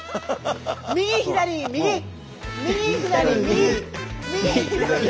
右左右右左右右左右。